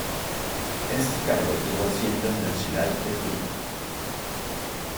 Este cargo tuvo asiento en la ciudad de Curicó.